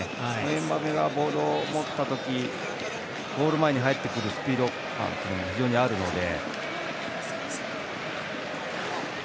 エムバペがボールを持ったときゴール前に入ってくるスピード感っていうのも非常にあるので。